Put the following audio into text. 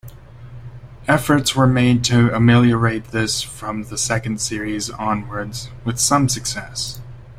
Efforts were made to ameliorate this from the second series onwards, with some success.